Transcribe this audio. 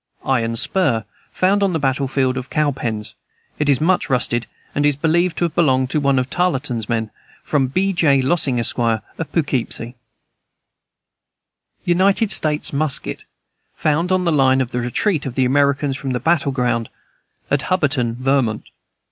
Iron spur, found on the battle field of the Cowpens. It is much rusted, and is believed to have belonged to one of Tarleton's men. From B. J. Lossing, Esq., of Poughkeepsie. United States musket, found on the line of the retreat of the Americans from the battle ground at Hubbardton, Vermont.